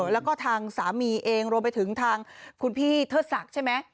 แล้วก็ทางสามีเองรวมไปถึงทางคุณพี่เทิดศักดิ์ใช่ไหม